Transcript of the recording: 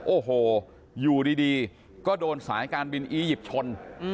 โอ้โหอยู่ดีก็โดนสายการบินอียิปต์ชน